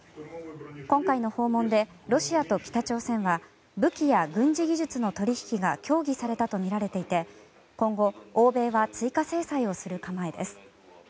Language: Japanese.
今回の訪問でロシアと北朝鮮は武器や軍事技術の取引が協議されたとみられていて今後、欧米は追加制裁をする構えです。